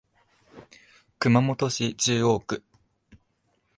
熊本市中央区